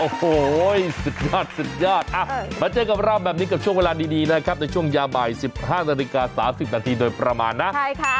โอ้โหสุดยอดสุดยอดมาเจอกับเราแบบนี้กับช่วงเวลาดีนะครับในช่วงยาบ่าย๑๕นาฬิกา๓๐นาทีโดยประมาณนะ